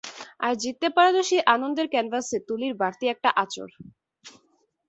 আর জিততে পারা তো সেই আনন্দের ক্যানভাসে তুলির বাড়তি একটা আঁচড়।